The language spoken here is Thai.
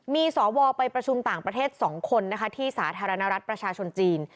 มีสวไปประชุมต่างประเทศ๒คนนะคะที่สาธารณรัฐประชาชนจีน